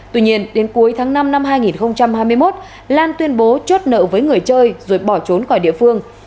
tuy nhiên đến cuối tháng năm năm hai nghìn hai mươi một lan tuyên bố chốt nợ với người chơi rồi bỏ trốn khỏi địa phương